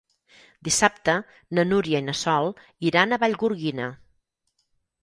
Dissabte na Núria i na Sol iran a Vallgorguina.